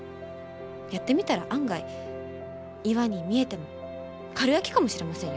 やってみたら案外岩に見えてもかるやきかもしれませんよ。